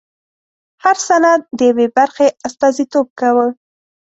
هر سند د یوې برخې استازیتوب کاوه.